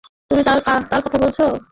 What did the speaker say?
তুমি তার কথা বলছো?